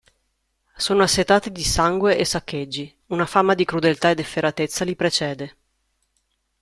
Sono assetati di sangue e saccheggi, una fama di crudeltà ed efferatezza li precede.